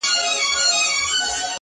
په دنیا کي چي د چا نوم د سلطان دی-